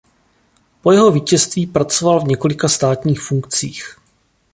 Po jeho vítězství pracoval v několika státních funkcích.